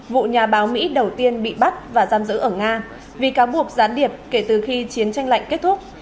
vụ nhà báo mỹ đầu tiên bị bắt và giam giữ ở nga vì cáo buộc gián điệp kể từ khi chiến tranh lạnh kết thúc